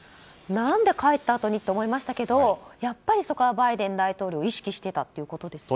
何で帰ったあとにと思いましたけどもやっぱりそこはバイデン大統領を意識していたということですね。